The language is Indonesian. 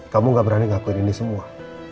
kamu gak berani ngakuin ini semua